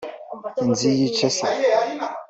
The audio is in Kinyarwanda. Nziyice se